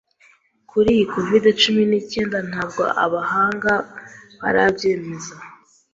Kuri iyi Covid-cumi nicyenda ntabwo abahanga barabyemeza